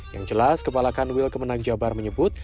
yang jelas kepala kanwil kemenang jabar menyebut